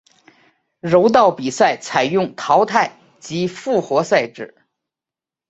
柔道比赛采用淘汰及复活赛制。